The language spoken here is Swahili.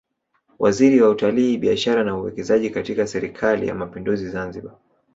Waziri wa Utalii Biashara na Uwekezaji katika Serikali ya Mapinduzi Zanzibar